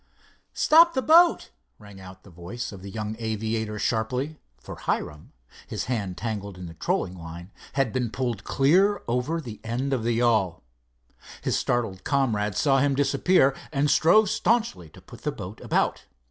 "Stop the boat!" rang out the voice of the young aviator, sharply, for Hiram, his hand tangled in the trolling line, had been pulled clear over the end of the yawl. His startled comrades saw him disappear, and strove staunchly to put the boat about.